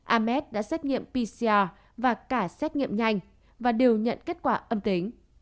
ams đã xét nghiệm pcr và cả xét nghiệm nhanh và đều nhận kết quả âm tính